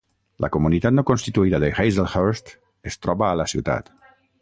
La comunitat no constituïda de Hazelhurst es troba a la ciutat.